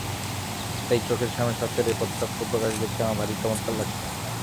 তাই চোখের সামনে সত্যের এই প্রত্যক্ষ প্রকাশ দেখতে আমার ভারি চমৎকার লাগছে।